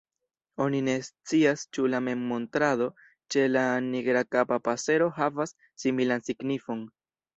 Oni ne scias ĉu la memmontrado ĉe la Nigrakapa pasero havas similan signifon.